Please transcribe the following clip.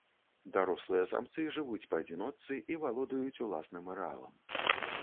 Дарослыя самцы жывуць па адзіночцы і валодаюць уласным арэалам.